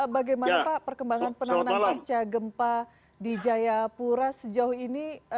bagaimana pak perkembangan penanganan pasca gempa di jayapura sejauh ini